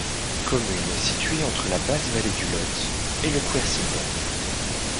Commune située entre la basse vallée du Lot et le Quercy Blanc.